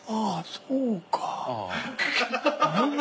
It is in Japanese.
そうか。